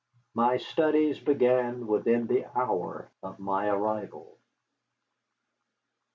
My studies began within the hour of my arrival.